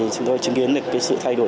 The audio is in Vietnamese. chúng tôi chứng kiến được sự thay đổi